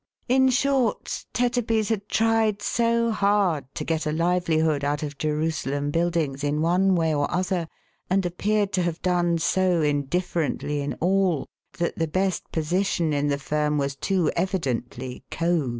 In short, Tetterby's had tried so hard to get a livelihood out of Jerusalem Buildings in one way or other, and appeared to have done so indifferently in all, that the best position in the firm was too evidently Co.'